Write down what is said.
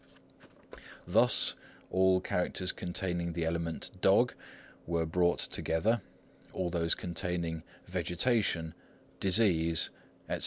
Thus, all characters containing the element 犭 "dog" were brought together; all those containing 艹 "vegetation," 疒 "disease," etc.